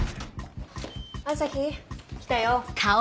朝陽来たよ。